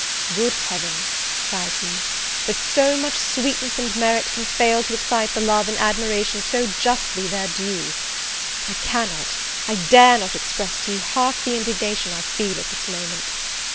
"Good Heaven," cried he, "that so much sweetness and merit can fail to excite the love and admiration so justly their due! I cannot, I dare not express to you half the indignation I feel at this moment!"